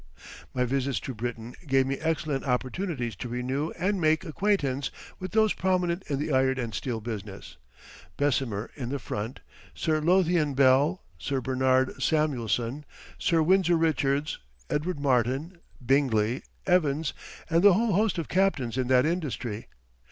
My visits to Britain gave me excellent opportunities to renew and make acquaintance with those prominent in the iron and steel business Bessemer in the front, Sir Lothian Bell, Sir Bernard Samuelson, Sir Windsor Richards, Edward Martin, Bingley, Evans, and the whole host of captains in that industry.